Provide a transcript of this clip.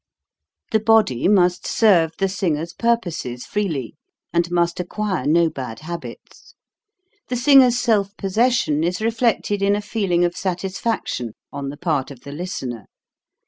263 264 HOW TO SING The body must serve the singer's purposes freely and must acquire no bad habits. The singer's self possession is reflected in a feel ing of satisfaction on the part of the listener.